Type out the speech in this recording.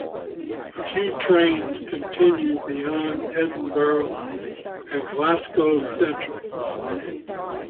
A few trains continue beyond Edinburgh to Glasgow Central.